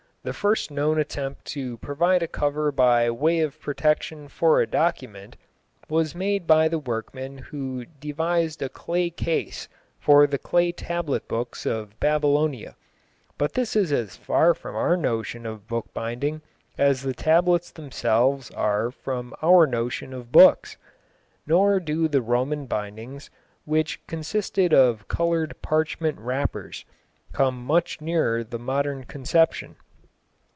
The first known attempt to provide a cover by way of protection for a document was made by the workman who devised a clay case for the clay tablet books of Babylonia, but this is as far from our notion of bookbinding as the tablets themselves are from our notion of books. Nor do the Roman bindings, which consisted of coloured parchment wrappers, come much nearer the modern conception.